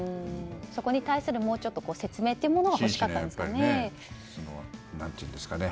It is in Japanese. そこに対する説明というものが欲しかったんですかね。